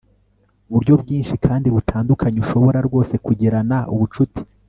buryo bwinshi kandi butandukanye. ushobora rwose kugirana ubucuti